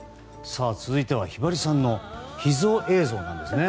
続いてはひばりさんの秘蔵映像ですね。